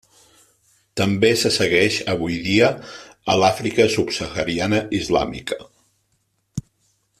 També se segueix avui dia a l'Àfrica subsahariana islàmica.